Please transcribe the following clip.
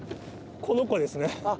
この子ですね。